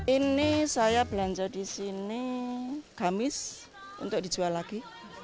ini saya belanja di sini gamis untuk dijual lagi